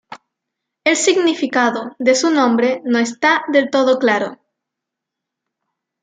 El significado de su nombre no está del todo claro.